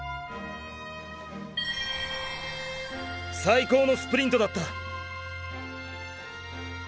最高のスプリントだった！！